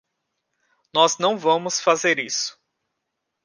Nós não vamos fazer isso.